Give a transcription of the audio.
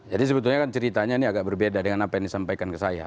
jadi sebetulnya kan ceritanya ini agak berbeda dengan apa yang disampaikan ke saya